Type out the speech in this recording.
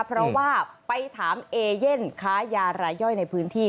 เพราะว่าไปถามเอเย่นค้ายารายย่อยในพื้นที่